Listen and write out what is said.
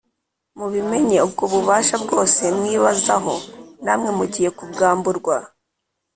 mubimenye ubwo bubasha bwose mwibazaho namwe mugiye kubwamburwa